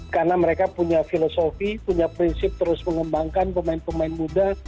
karena mereka punya filosofi punya prinsip terus mengembangkan pemain pemain muda